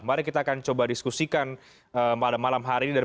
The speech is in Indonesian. mari kita akan coba diskusikan malam malam hari ini